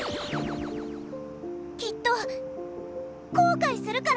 きっと後かいするから！